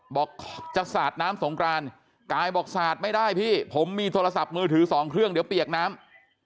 บอกจะสาดน้ำสงกรานกายบอกสาดไม่ได้พี่ผมมีโทรศัพท์มือถือสองเครื่องเดี๋ยวเปียกน้ำ